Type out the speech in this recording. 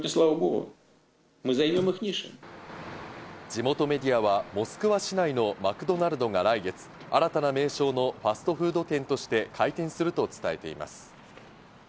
地元メディアは、モスクワ市内のマクドナルドが来月、新たな名称のファストフード店として開店すると伝えています。